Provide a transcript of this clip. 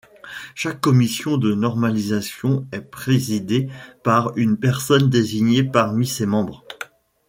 Chaque commission de normalisation est présidée par une personne désignée parmi ses membres.